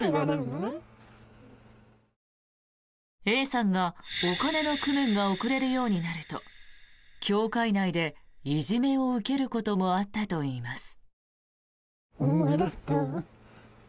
Ａさんがお金の工面が遅れるようになると教会内でいじめを受けることもあったといいます。